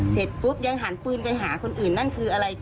เสร็จปุ๊บยังหันปืนไปหาคนอื่นนั่นคืออะไร